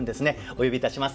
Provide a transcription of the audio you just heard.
お呼びいたします。